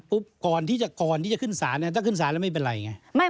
ปุ๊บก่อนที่จะขึ้นศาลถ้าขึ้นศาลแล้วไม่เป็นไรไง